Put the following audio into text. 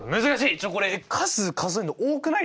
ちょっとこれ数数えんの多くないですか？